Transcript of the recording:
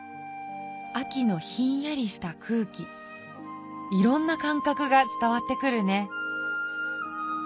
秋のひんやりした空気いろんなかんかくがつたわってくるね。